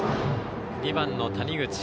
２番の谷口。